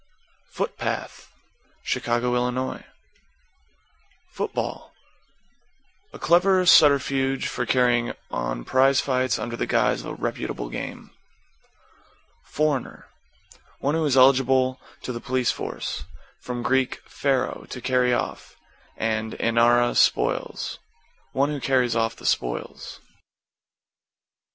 =FOOT PATH= Chicago, Ill. =FOOTBALL= A clever subterfuge for carrying on prize fights under the guise of a reputable game. =FOREIGNER= One who is eligible to the police force. From Grk. fero, to carry off, and enara, spoils. One who carries off the spoils.